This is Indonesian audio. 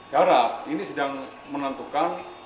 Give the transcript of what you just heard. darat ini sedang menentukan